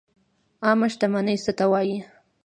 عامه شتمني څه ته وایي؟